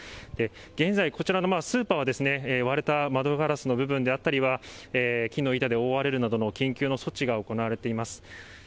現在、こちらのスーパーは、割れた窓ガラスの部分であったりは、木の板で覆われるなどの緊急の措置が行われています。